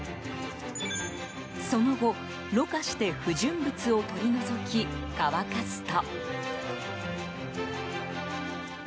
その後、濾過して不純物を取り除き、乾かすと。